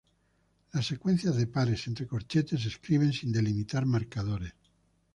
Las secuencias de pares entre corchetes se escriben sin delimitar marcadores.